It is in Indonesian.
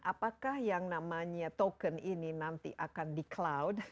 apakah yang namanya token ini nanti akan di cloud